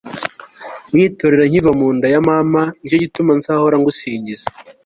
unyitorera nkiva mu nda ya mama, ni cyo gituma nzahora ngusingiza